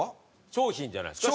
商品じゃないですか？